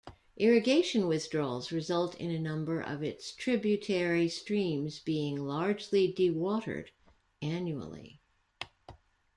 Irrigation withdrawals result in a number of its tributary streams being largely dewatered annually.